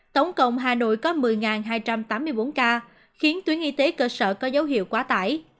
tổng cộng hà nội có một mươi hai trăm tám mươi bốn ca khiến tuyến y tế cơ sở có dấu hiệu quá tải